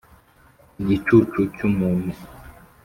igicucu cy umuntu